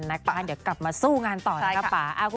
นักบ้านเดี๋ยวกลับมาสู้งานต่อนะครับป่า